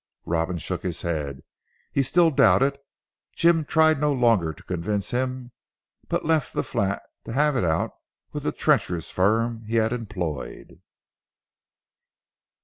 Robin shook his head. He still doubted. Dr. Jim tried no longer to convince him, but left the flat to have it out with the treacherous firm he had employed.